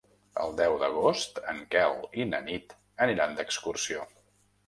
El deu d'agost en Quel i na Nit aniran d'excursió.